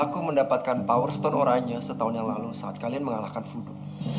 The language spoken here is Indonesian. aku mendapatkan power stone oranya setahun yang lalu saat kalian mengalahkan fudo